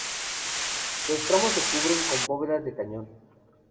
Los tramos se cubren con bóvedas de cañón.